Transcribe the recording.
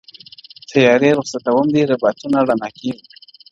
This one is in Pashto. تیاري رخصتوم دي رباتونه رڼاکیږي!!